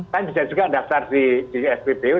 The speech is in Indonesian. kan bisa juga daftar di spbu